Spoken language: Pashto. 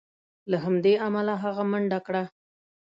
له همدې امله هغه منډه کړه.